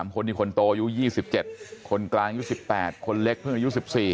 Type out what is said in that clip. ๓คนที่ควรโตยู้๒๗คนกลางยู้๑๘คนเล็กเพิ่งอายุ๑๔